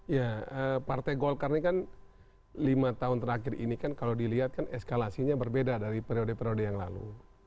ya partai golkar ini kan lima tahun terakhir ini kan kalau dilihat kan eskalasinya berbeda dari periode periode yang lalu